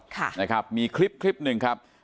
ค่ะนะครับมีคลิปคลิปหนึ่งครับ